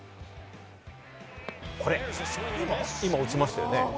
これ今、落ちましたよね？